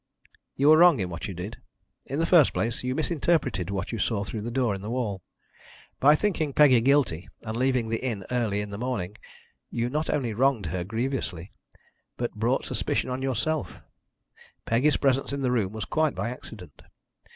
"You were wrong in what you did. In the first place, you misinterpreted what you saw through the door in the wall. By thinking Peggy guilty and leaving the inn early in the morning, you not only wronged her grievously, but brought suspicion on yourself. Peggy's presence in the room was quite by accident.